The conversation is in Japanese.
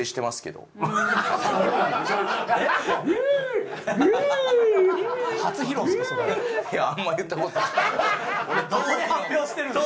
どこで発表してるんですか。